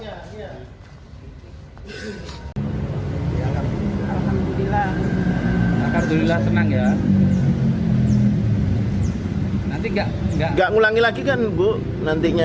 tidak mengulangi lagi kan bu nantinya